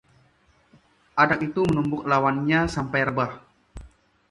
anak itu menumbuk lawannya sampai rebah